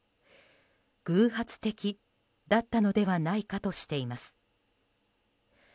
偶発的だったのではないかとしています。